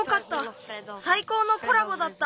さいこうのコラボだった！